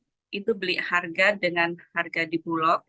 jadi pedagang di pasar itu beli harga dengan harga di bulok